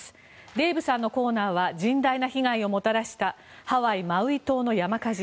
デーブさんのコーナーは甚大な被害をもたらしたハワイ・マウイ島の山火事。